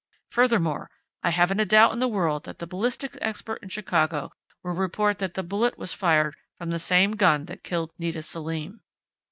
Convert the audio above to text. Furthermore, I haven't a doubt in the world that the ballistics expert in Chicago will report that the bullet was fired from the same gun that killed Nita Selim."